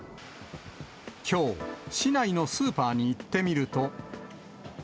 きょう、市内のスーパーに行ってみると。